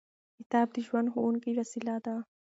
کتاب د ژوند ښوونکې وسیله ده.